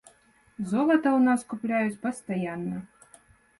Золата ў нас купляюць пастаянна.